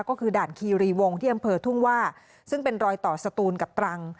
ก็คือด่านคีรีวงที่อำเภอทุ่งว่าซึ่งเป็นรอยต่อสตูนกับตรัง